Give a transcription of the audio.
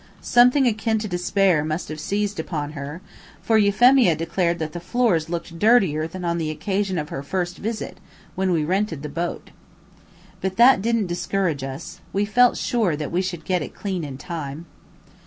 Something akin to despair must have seized upon her, for Euphemia declared that the floors looked dirtier than on the occasion of her first visit, when we rented the boat. But that didn't discourage us. We felt sure that we should get it clean in time.